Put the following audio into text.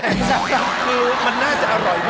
มันน่าจะอร่อยมาก